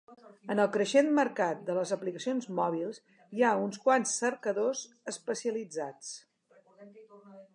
En el creixent mercat de les aplicacions mòbils hi ha uns quants cercadors especialitzats.